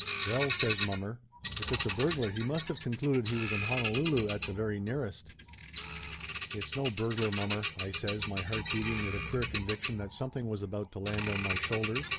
"Well!" says mommer. "If it's a burglar he must 237 238 Laughter Limited of concluded we was in Honolulu at the very nearest!" "It's no burglar, mommer," I says, my heart beating with a queer conviction that something was about to land on my shoulders.